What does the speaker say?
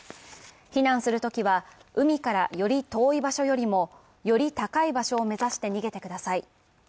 避難するときは、海からより遠い場所よりもより高い場所を目指して逃げてください。